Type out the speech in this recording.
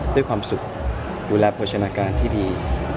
ด้วยความสุขดูแลโภชนาการที่ดี